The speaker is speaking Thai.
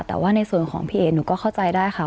แต่ว่าในส่วนของพี่เอ๋หนูก็เข้าใจได้ค่ะ